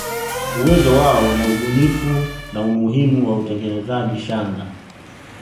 Uwezo wao wa ubunifu na umuhimu wa utengenezaji shanga